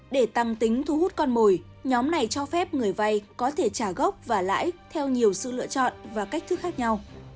để tăng tính thu hút con mồi nhóm này cho phép người vay có thể trả gốc và lãi theo nhiều sự lựa chọn và cách thức khác nhau